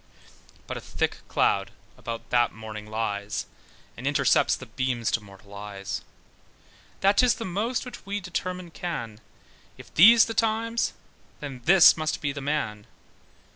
But a thick cloud about that morning lies, And intercepts the beams of mortal eyes, That 'tis the most which we determine can, If these the times, then this must be the man.